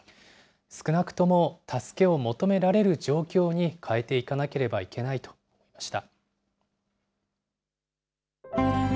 少なくとも助けを求められる状況に変えていかなければいけないと思いました。